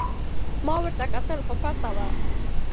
ما ورته کتل خو پټه وه.